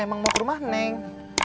emang mau ke rumah neng